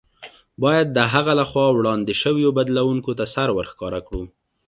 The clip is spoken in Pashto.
باید د هغه له خوا وړاندې شویو بدلوونکو ته سر ورښکاره کړو.